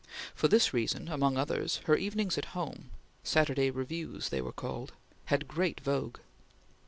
For this reason among others, her evenings at home Saturday Reviews, they were called had great vogue.